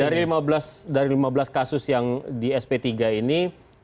dari lima belas kasus yang di sp tiga ini